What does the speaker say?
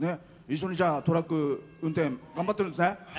一緒にじゃあトラック運転頑張ってるんですね。